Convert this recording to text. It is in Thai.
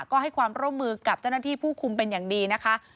ก็ให้ความร่วมมือกับเจ้าหน้าที่ผู้คุมเป็นอย่างดีนะคะ